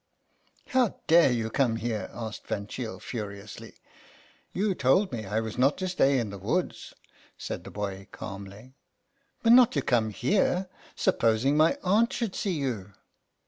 " How dare you come here ?" asked Van Cheele furiously. "You told me I was not to stay in the woods," said the boy calmly. " But not to come here. Supposing my aunt should see you